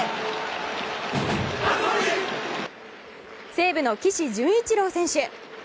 西武の岸潤一郎選手。